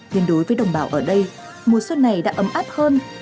nên đối với đồng bào ở đây mùa xuân này đã ấm áp hơn